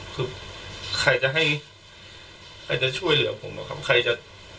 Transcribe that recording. คือใครจะให้ใครจะช่วยเหลือผมอะครับใครจะ